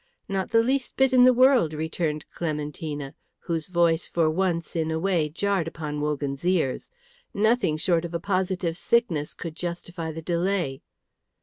"Not the least bit in the world," returned Clementina, whose voice for once in a way jarred upon Wogan's ears. Nothing short of a positive sickness could justify the delay.